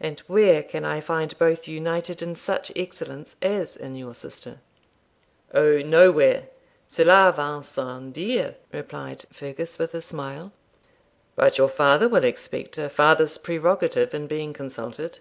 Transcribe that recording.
And where can I find both united in such excellence as in your sister?' 'O nowhere! cela va sans dire,' replied Fergus, with a smile. 'But your father will expect a father's prerogative in being consulted.'